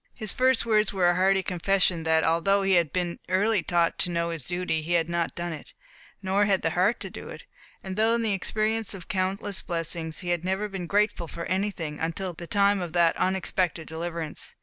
His first words were a hearty confession that, although he had been early taught to know his duty, he had not done it, nor had the heart to do it; and, though in the experience of countless blessings, he had never been grateful for any until the time of that unexpected deliverance.